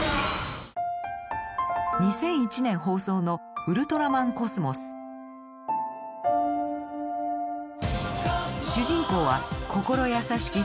２００１年放送の「ウルトラマンコスモス」主人公は心優しき